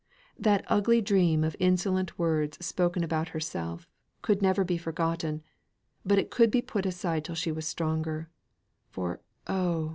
That ugly dream of insolent words spoken about herself, could never be forgotten but could be put aside till she was stronger for, oh!